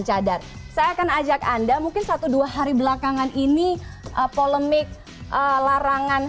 cadar saya akan ajak anda mungkin satu dua hari belakangan ini polemik larangan